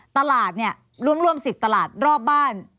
ตลาดเนี่ยรวม๑๐ตลาดรอบบ้าน